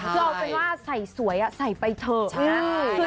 คือเราพูดว่าใส่สวยใส่ไปเถอะ